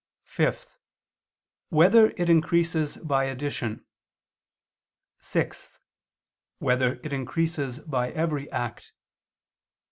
(5) Whether it increases by addition? (6) Whether it increases by every act?